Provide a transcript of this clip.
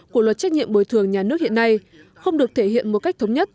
của luật trách nhiệm bồi thường nhà nước hiện nay không được thể hiện một cách thống nhất